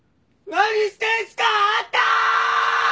何してんすかあんた！